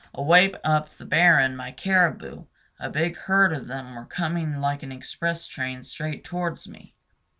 Away up the barren my caribou, a big herd of them, were coming like an express train straight towards me.